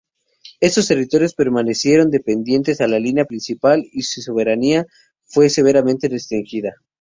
Estos territorios permanecieron dependientes de la línea principal y su soberanía fue severamente restringida.